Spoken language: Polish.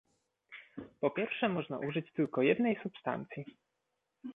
Po pierwsze można użyć tylko jednej substancji